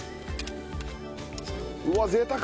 うわっ贅沢！